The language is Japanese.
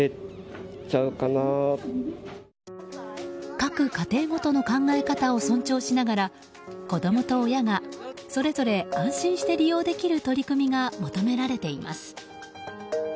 各家庭ごとの考え方を尊重しながら子供と親がそれぞれ安心して利用できる取り組みが求められています。